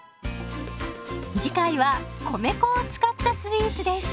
次回は米粉を使ったスイーツです。